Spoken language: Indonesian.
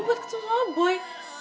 buat kecuali boy